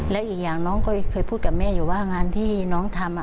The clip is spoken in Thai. แล้วอีกอย่างน้องก็เคยพูดกับแม่อยู่ว่างานที่น้องทำ